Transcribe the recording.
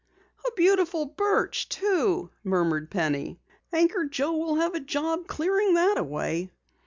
"A beautiful birch, too," murmured Penny. "Anchor Joe will have a job clearing it away."